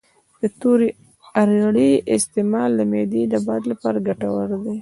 د تورې اریړې استعمال د معدې د باد لپاره ګټور دی